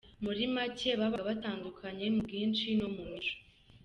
Muri make babaga batandukanye mu bwinshi no mu mico.